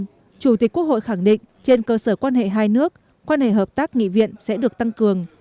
chủ tịch quốc hội khẳng định trên cơ sở quan hệ hai nước quan hệ hợp tác nghị viện sẽ được tăng cường